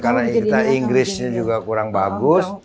karena kita inggrisnya juga kurang bagus